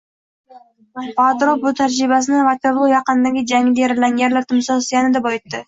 Vardrop bu tajribasini Vaterloo yaqinidagi jangda yaralangalar timsolida yanada boyitdi